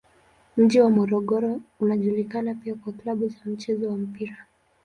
Mji wa Morogoro unajulikana pia kwa klabu za mchezo wa mpira.